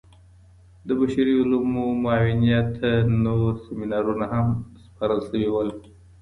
د بشري علومو معاونيت ته نور سيمينارونه هم سپارل سوي ول.